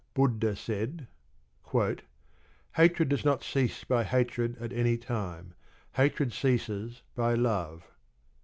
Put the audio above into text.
Buddha said: "Hatred does not cease by hatred at any time: hatred ceases by love."